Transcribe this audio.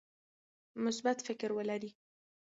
مثبت فکر ولرئ.